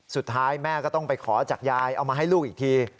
สุดท้ายแม่ก็ต้องไปขอจากยายเอามาให้ลูกอีกที